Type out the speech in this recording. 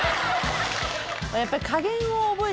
やっぱり。